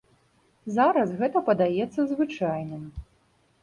Зараз гэта падаецца звычайным.